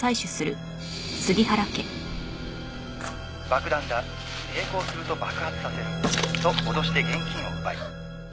「“爆弾だ抵抗すると爆発させる”と脅して現金を奪い」あっ。